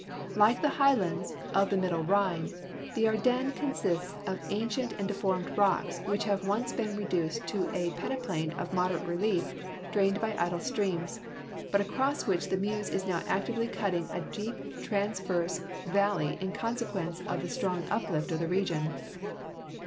Like the highlands #of the middle Rhine, the Ardennes consist of ancient and deformed rocks which have once been reduced to a peneplain of moderate relief drained idle streams,* but across which the Meuse is now actively cutting a deej) transverse valley in consequence of the strong uplift of the region.